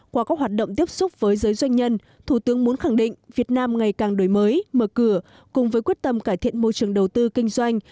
qua các hoạt động tiếp xúc với giới doanh nhân thủ tướng muốn khẳng định việt nam ngày càng đổi mới mở cửa cùng với quyết tâm cải thiện môi trường đầu tư kinh doanh